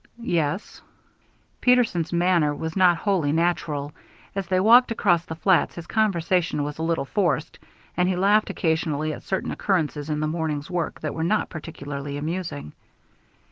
"Yes." Peterson's manner was not wholly natural. As they walked across the flats his conversation was a little forced, and he laughed occasionally at certain occurrences in the morning's work that were not particularly amusing.